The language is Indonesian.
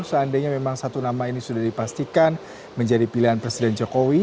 seandainya memang satu nama ini sudah dipastikan menjadi pilihan presiden jokowi